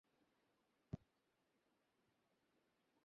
এবং তুমি মোটেও সেখানে যাচ্ছোনা।